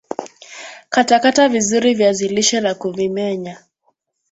Katakata vizuri viazi lishe na kuvimenya